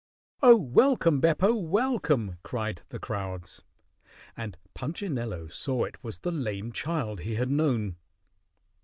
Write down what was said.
"Oh, welcome, Beppo! Welcome!" cried the crowds, and Punchinello saw it was the lame child he had known.